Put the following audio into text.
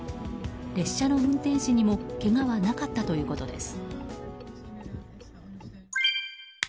列車の運転士にもけがはなかったということです。